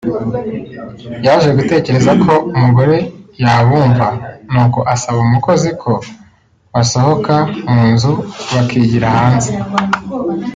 yaje gutekereza ko umugore yabumva n’uko asaba umukozi ko basohoka mu nzu bakigira hanze